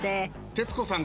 徹子さん